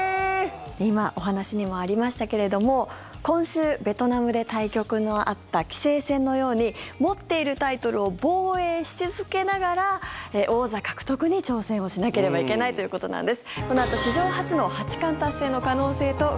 今、お話にもありましたけれども今週、ベトナムで対局のあった棋聖戦のように持っているタイトルを防衛し続けながら、王座獲得に挑戦をしなければいけないということなんです。